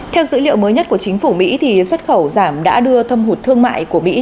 theo dữ liệu mới nhất của chính phủ mỹ xuất khẩu giảm đã đưa thâm hụt thương mại của mỹ